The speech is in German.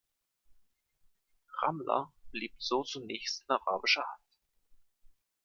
Ramla blieb so zunächst in arabischer Hand.